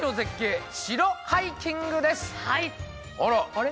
あら？あれ？